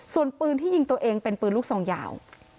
ส่วนปืนที่ยิงตัวเองเป็นปืนลูกซองยาว